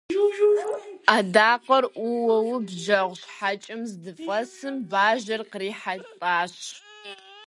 Адакъэр ӏуэуэ бжэгъу щхьэкӏэм здыфӏэсым, бажэр кърихьэлӏащ.